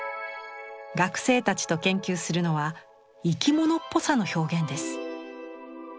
学生たちと研究するのは生き物っぽさの表現です。